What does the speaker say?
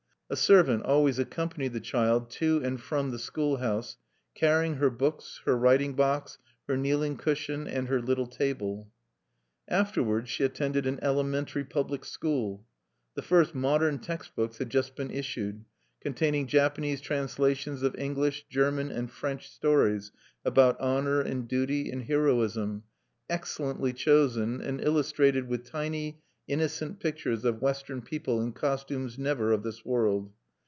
A servant always accompanied the child to and from the school house, carrying her books, her writing box, her kneeling cushion, and her little table. Afterwards she attended an elementary public school. The first "modern" text books had just been issued, containing Japanese translations of English, German, and French stories about honor and duty and heroism, excellently chosen, and illustrated with tiny innocent pictures of Western people in costumes never of this world.